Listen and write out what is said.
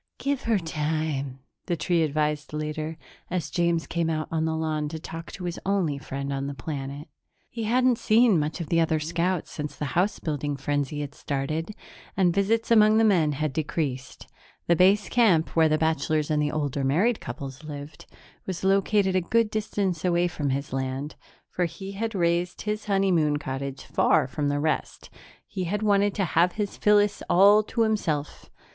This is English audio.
"Give her time," the tree advised later, as James came out on the lawn to talk to his only friend on the planet. He hadn't seen much of the other scouts since the house building frenzy had started, and visits among the men had decreased. The base camp, where the bachelors and the older married couples lived, was located a good distance away from his land, for he had raised his honeymoon cottage far from the rest; he had wanted to have his Phyllis all to himself.